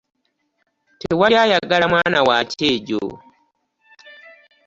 Tewali ayagala mwana wa kyejo.